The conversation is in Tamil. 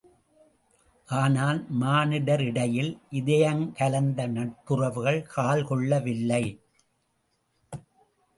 ஆனால் மானிடரிடையில் இதயங்கலந்த நட்புறவுகள் கால்கொள்ளவில்லை.